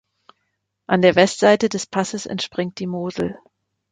An der Westseite des Passes entspringt die Mosel.